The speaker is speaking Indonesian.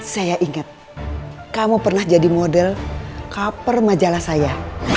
saya inget kamu pernah jadi model cover majalah saya